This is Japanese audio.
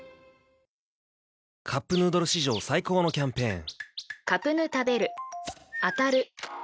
「カップヌードル」史上最高のキャンペーン！